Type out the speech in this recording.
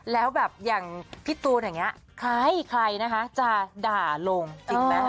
แล้วแบบอย่างพี่ตูนเนี่ยใครนะคะจะด่าลงจริงแมะ